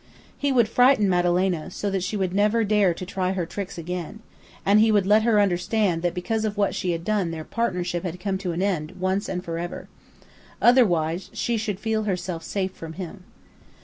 He would frighten Madalena so that she would never dare to try her tricks again, and he would let her understand that because of what she had done their partnership had come to an end once and forever. Otherwise she should feel herself safe from him.